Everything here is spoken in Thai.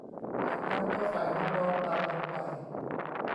จากนั้นก็ใส่น้ำร้อนตามลงไป